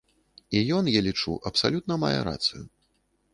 І ён, я лічу, абсалютна мае рацыю.